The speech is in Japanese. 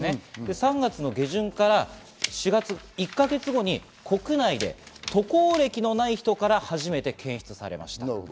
３月下旬から４月、１か月後に国内で渡航歴のない人から初めて検出されました。